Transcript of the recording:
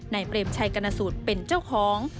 เปรมชัยกรณสูตรเป็นเจ้าของ